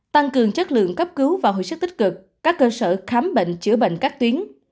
tăng cường chất lượng cấp cứu và hồi sức tích cực các cơ sở khám bệnh chữa bệnh các tuyến